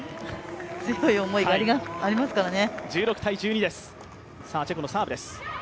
強い思いがありますからね。